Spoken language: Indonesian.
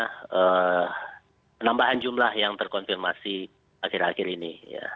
karena penambahan jumlah yang terkonfirmasi akhir akhir ini